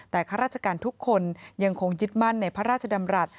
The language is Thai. แต่ข้าราชการทุกคนยังคงยึดมั่นในพระราชดำรัฐ